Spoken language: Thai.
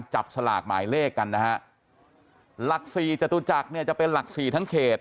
หลักศรีจตุจักรเนี่ยจะเป็นหลักศรีทั้งเขต